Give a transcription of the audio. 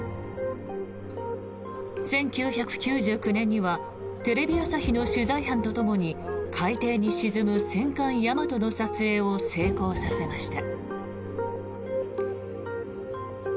１９９９年にはテレビ朝日の取材班とともに海底に沈む戦艦「大和」の撮影を成功させました。